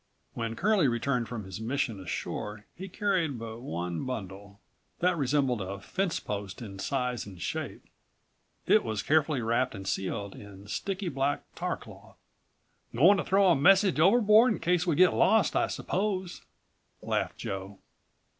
When Curlie returned from his mission ashore he carried but one bundle. That resembled a fencepost in size and shape. It was carefully wrapped and sealed in sticky black tar cloth. "Going to throw a message overboard in case we're lost, I suppose," laughed Joe.